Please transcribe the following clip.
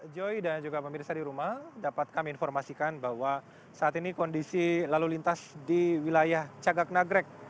joy dan juga pemirsa di rumah dapat kami informasikan bahwa saat ini kondisi lalu lintas di wilayah cagak nagrek